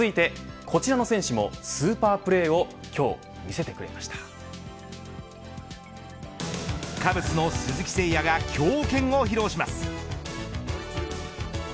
続いて、こちらの選手もスーパープレーをカブスの鈴木誠也が強肩を披露します。